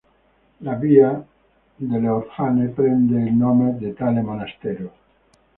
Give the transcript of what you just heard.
La via delle Orfane prende il nome da tale monastero.